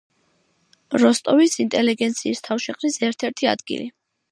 როსტოვის ინტელიგენციის თავშეყრის ერთ-ერთი ადგილი.